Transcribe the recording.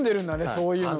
そういうのが。